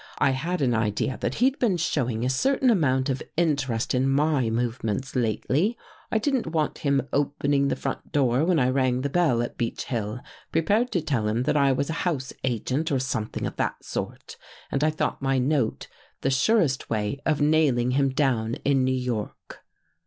I had an Idea that he'd been showing a certain amount of Interest In my movements lately. I didn't want him opening the front door when I rang the bell at Beech Hill, prepared to tell him that I was a house agent or something of that sort, and I thought my note the surest way of nailing him down in New York."